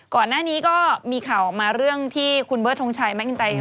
ก่อนหน้านี้ก็มีข่าวออกมาเรื่องที่คุณเบิร์ดทงชัยแก๊อินไต